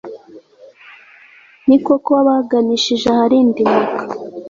ni koko, wabaganishije aharindimuka